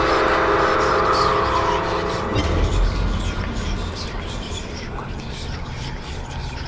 aduh kipasnya pake mati lagi